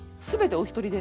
お一人で？